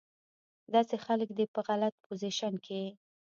داسې خلک دې پۀ غلط پوزيشن کښې